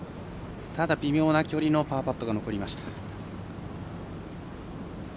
ただ、微妙な距離のパーパットが残りました。